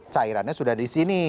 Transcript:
cairannya sudah di sini